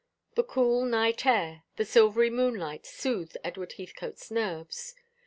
The cool night air, the silvery moonlight, soothed Edward Heathcote's nerves.